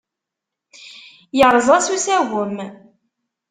Irreẓ-as usagem.